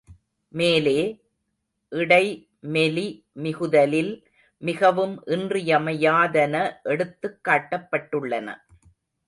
மேலே, இடை மெலி மிகுதலில், மிகவும் இன்றியமையாதன எடுத்துக் காட்டப்பட்டுள்ளன.